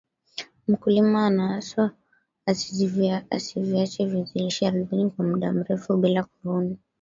mkulima anaaswa asiviache viazi lishe ardhini kwa muda mrefu bila kuvunwa